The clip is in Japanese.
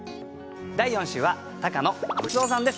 第４週は高野ムツオさんです。